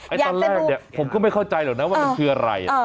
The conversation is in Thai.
ตอนแรกเนี่ยผมก็ไม่เข้าใจหรอกนะว่ามันคืออะไร